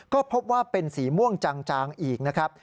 ก็พบว่าเป็นสีม่วงจางอีกนะครับ